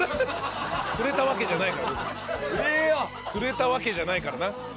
くれたわけじゃないから。